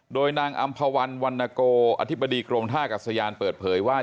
โดยนางอำภาวันวันนโกอธิบดีกรมท่ากัศยานเปิดเผยว่า